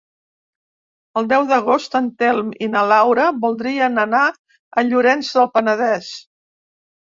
El deu d'agost en Telm i na Laura voldrien anar a Llorenç del Penedès.